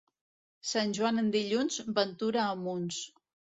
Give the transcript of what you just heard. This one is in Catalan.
Sant Joan en dilluns, ventura a munts.